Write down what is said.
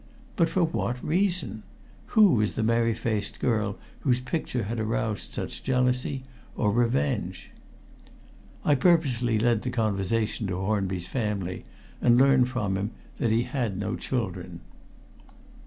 But for what reason? Who was the merry faced girl whose picture had aroused such jealousy or revenge? I purposely led the conversation to Hornby's family, and learned from him that he had no children.